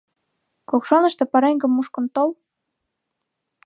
— Кокшаныште пареҥгым мушкын тол.